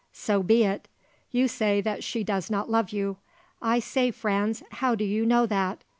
So be it. You say that she does not love you. I say, Franz, how do you know that?